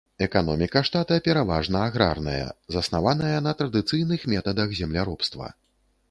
Эканоміка штата пераважна аграрная, заснаваная на традыцыйных метадах земляробства.